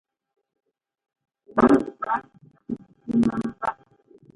Ɔ níꞋ paa tsɛtsɛt mɛtʉ́ mɛ́mbá.